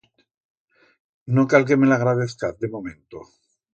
No cal que me l'agradezcaz de momento.